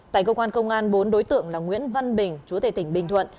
tại công an tp hcm bốn đối tượng là nguyễn văn bình chú tể tỉnh bình thuận